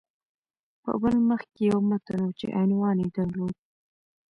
په بل مخ کې یو متن و چې عنوان یې درلود